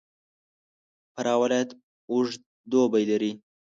فراه ولایت اوږد دوبی لري.